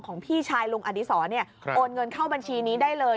พี่ชายลุงอดีศรโอนเงินเข้าบัญชีนี้ได้เลย